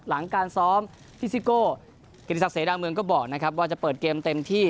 หลังการซ้อมพี่ซิโก้กิติศักดิเสดังเมืองก็บอกนะครับว่าจะเปิดเกมเต็มที่